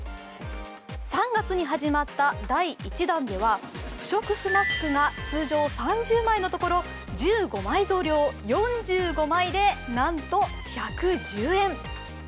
３月に始まった第１弾では不織布マスクが通常３０枚のところ１５枚増量４５枚でなんと１１０円。